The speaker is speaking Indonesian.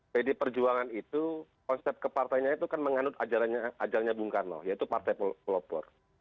pdi perjuangan itu konsep kepartainya itu kan menganut ajalnya bung karno yaitu partai pelopor